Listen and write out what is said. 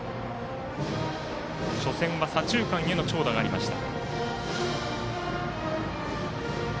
初戦は左中間への長打がありました。